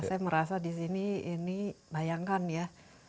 saya merasa di sini ini bayangkan ya